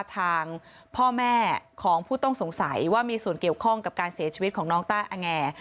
ทางพ่อแม่ของผู้ต้องสงสัยว่ามีส่วนเกี่ยวข้องกับการเสียชีวิตของน้องต้าอแง